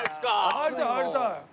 入りたい入りたい。